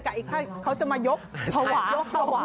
กับอีกค่ะเขาจะมายกภาวะลง